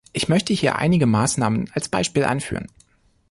Ich möchte hier einige Maßnahmen als Beispiel anführen.